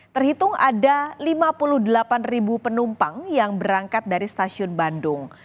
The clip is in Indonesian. terhitung ada lima puluh delapan penumpang yang berangkat dari stasiun bandung